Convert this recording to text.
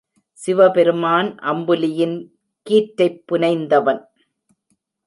சிவபெருமான் அம்புலியின் கீற்றைப் புனைந்தவன்.